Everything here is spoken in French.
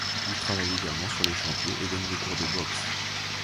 Il travaille également sur les chantiers et donne des cours de boxe.